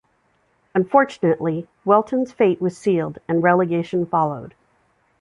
Unfortunately Welton's fate was sealed and relegation followed.